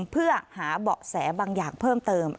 เพื่อหาเบาะแสบางอย่างเพิ่มเติม